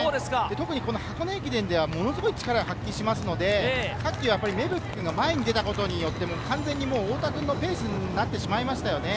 箱根駅伝ではものすごい力を発揮しますので、芽吹君、先に前に出たことによって、完全に太田君のペースになってしまいましたね。